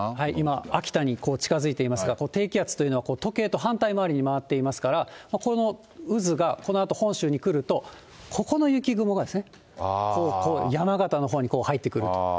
今、秋田に近づいていますが、低気圧というのは時計と反対回りに回っていますから、この渦がこのあと本州に来ると、ここの雪雲が、山形のほうに入ってくると。